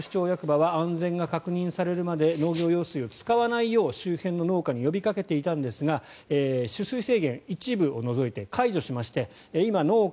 蘭越町役場は安全が確認されるまで農業用水を使わないよう周辺の農家に呼びかけていたんですが取水制限一部を除いて解除しまして今、農家